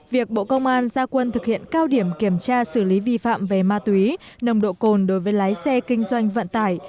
việc bộ công an gia quân thực hiện cao điểm kiểm tra xử lý vi phạm về ma túy nồng độ cồn đối với lái xe kinh doanh vận tải